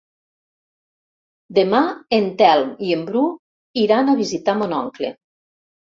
Demà en Telm i en Bru iran a visitar mon oncle.